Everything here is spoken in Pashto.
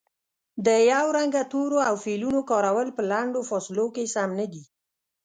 د یو رنګه تورو او فعلونو کارول په لنډو فاصلو کې سم نه دي